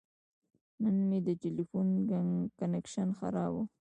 نن مې د تلیفون کنکشن خراب و.